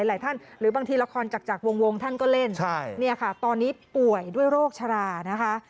หลายท่านหรือบางทีละครจากวงท่านก็เล่นเนี่ยค่ะตอนนี้ป่วยด้วยโรคชรานะคะ